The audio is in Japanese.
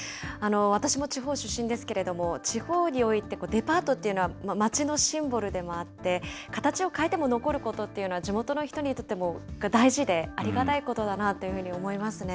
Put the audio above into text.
私も地方出身ですけれども、地方において、デパートっていうのは、町のシンボルでもあって、形を変えても残ることっていうのは地元の人にとっても大事で、ありがたいことだなというふうに思いますね。